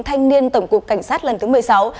thanh niên tổng cục cảnh sát lần thứ một mươi sáu